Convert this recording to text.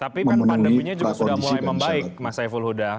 tapi kan pandeminya juga sudah mulai membaik mas saiful huda